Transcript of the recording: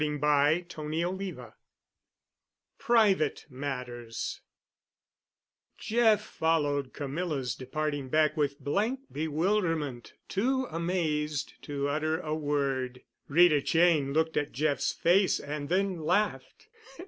*CHAPTER XXII* *PRIVATE MATTERS* Jeff followed Camilla's departing back with blank bewilderment, too amazed to utter a word. Rita Cheyne looked at Jeff's face and then laughed.